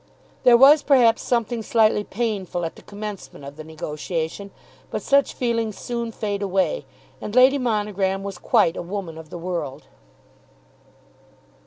There was perhaps something slightly painful at the commencement of the negotiation; but such feelings soon fade away, and Lady Monogram was quite a woman of the world.